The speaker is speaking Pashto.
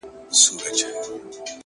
نو مي ناپامه ستا نوم خولې ته راځي.!